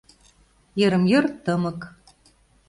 Йырым-йыр тымык...